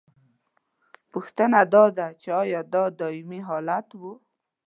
پوښتنه دا ده چې ایا دا دائمي حالت و؟